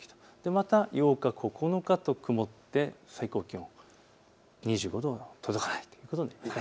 また８日、９日と曇って最高気温、２５度に届かないということになります。